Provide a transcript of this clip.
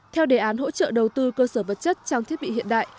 theo đề án hỗ trợ đầu tư cơ sở vật chất trang thiết bị hiện đại